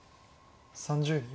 ３０秒。